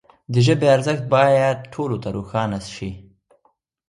د ژبي ارزښت باید ټولو ته روښانه سي.